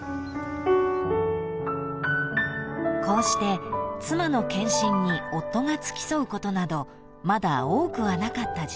［こうして妻の健診に夫が付き添うことなどまだ多くはなかった時代］